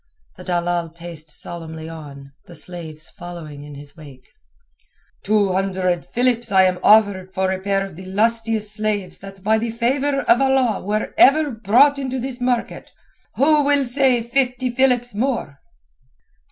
The dalal paced solemnly on, the slaves following in his wake. "Two hundred philips am I offered for a pair of the lustiest slaves that by the favour of Allah were ever brought into this market. Who will say fifty philips more?"